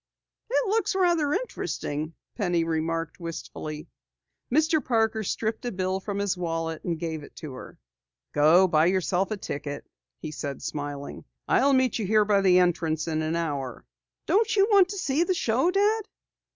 "It looks rather interesting," Penny remarked wistfully. Mr. Parker stripped a bill from his wallet and gave it to her. "Go buy yourself a ticket," he said, smiling. "I'll meet you here by the entrance in an hour." "Don't you want to see the show, Dad?"